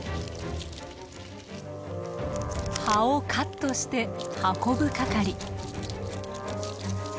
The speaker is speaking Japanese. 葉をカットして運ぶ係。